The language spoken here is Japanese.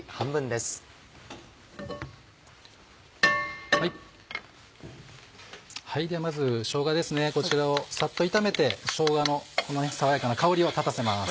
ではまずしょうがですねこちらをサッと炒めてしょうがのこの爽やかな香りを立たせます。